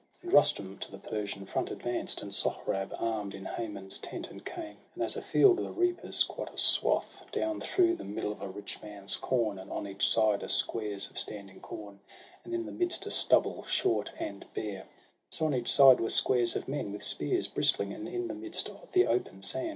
And Rustum to the Persian front advanced, And Sohrab arm'd in Haman's tent, and came. 96 SOHRAB AND RUSTUM, And as afield the reapers cut a swath Down through the middle of a rich man's corn, And on each side are squares of standing corn, And in the midst a stubble, short and bare — So on each side were squares of men, with spears Bristling, and in the midst, the open sand.